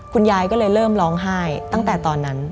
คุณยายก็เลยเริ่มร้องไห้ตั้งแต่ตอนนั้น